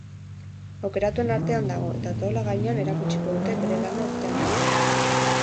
Aukeratuen artean dago eta taula gainean erakutsiko dute bere lana urte amaieran.